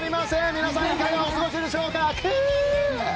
皆さんいかがお過ごしでしょうか？